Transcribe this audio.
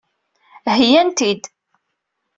Heyyan-t-id.